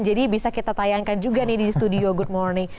jadi bisa kita tayangkan juga nih di studio good morning